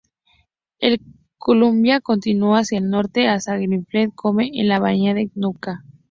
El "Columbia" continuó hacia el norte, hasta Friendly Cove, en la bahía de Nutka.